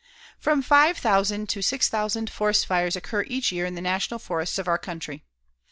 From five thousand to six thousand forest fires occur each year in the National Forests of our country.